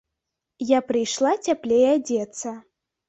Я прыйшла цяплей адзецца.